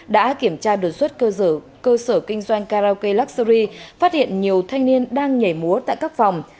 đã kiểm tra đột xuất cơ sở kinh doanh karaoke luxury phát hiện nhiều thanh niên đang nhảy múa tại các phòng